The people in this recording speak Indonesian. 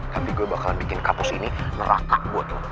tapi gue bakal bikin kampus ini neraka buat lo